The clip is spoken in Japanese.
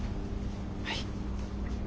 はい。